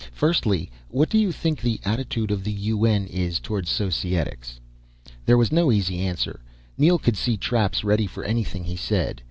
Firstly, what do you think the attitude of the UN is towards Societics?" There was no easy answer, Neel could see traps ready for anything he said.